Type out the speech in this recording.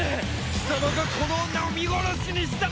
貴様がこの女を見殺しにしたのだ！